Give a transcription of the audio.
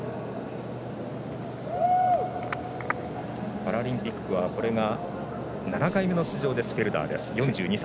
パラリンピックはこれが７回目の出場のフェルダーです、４２歳。